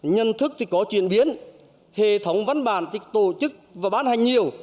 nhận thức thì có chuyển biến hệ thống văn bản thì tổ chức và bán hành nhiều